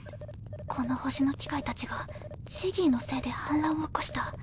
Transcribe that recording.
この星の機械たちがジギーのせいで反乱を起こした。